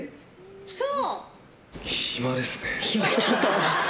そう！